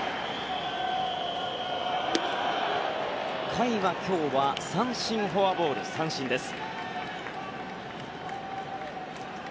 甲斐は今日は三振、フォアボール、三振です。